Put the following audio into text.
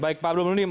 baik pak abdul munim